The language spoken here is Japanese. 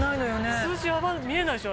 数字見えないでしょ？